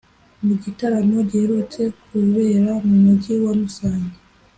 Mu gitaramo giherutse kubera mu Mujyi wa Musanze